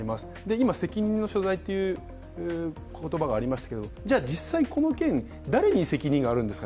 今責任の所在っていう言葉がありましたけど実際、この件、誰に責任があるんですか。